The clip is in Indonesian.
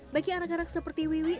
bagi anak anak seperti wiwi